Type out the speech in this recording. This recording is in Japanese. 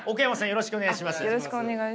よろしくお願いします。